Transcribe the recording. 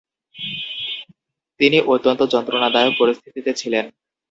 তিনি অত্যন্ত যন্ত্রণাদায়ক পরিস্থিতিতে ছিলেন।